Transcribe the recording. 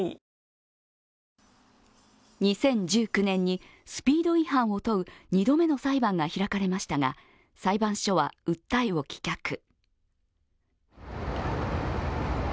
２０１９年にスピード違反を問う２度目の裁判が開かれましたが裁判所は訴えを棄却。